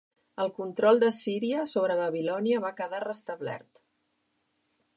El control d'Assíria sobre Babilònia va quedar restablert.